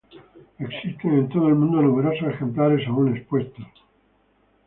Existen en todo el mundo, numerosos ejemplares aún expuestos.